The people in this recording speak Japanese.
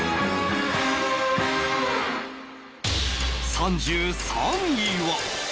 ３３位は